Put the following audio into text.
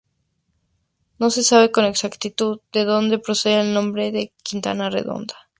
No se sabe con exactitud de donde procede el nombre de Quintana Redonda.